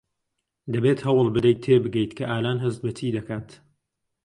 دەبێت هەوڵ بدەیت تێبگەیت کە ئالان هەست بە چی دەکات.